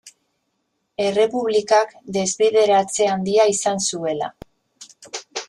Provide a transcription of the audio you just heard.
Errepublikak desbideratze handia izan zuela.